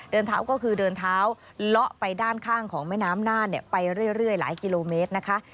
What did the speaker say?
เดินเท้าก็คือเดินเท้าเลาะไปด้านข้างของแม่น้ำน่านไปเรื่อยหลายกิโลเมตรนะคะ